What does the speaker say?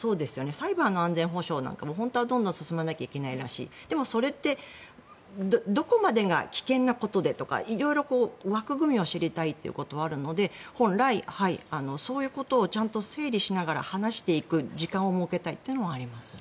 サイバーの安全保障なんかも本当はどんどん進めないといけないらしいでも、それってどこまでが危険なことでとか色々、枠組みを知りたいということはあるので本来、そういうことをちゃんと整理しながら話していく時間を設けたいというのはあります。